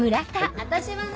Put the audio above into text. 私はね。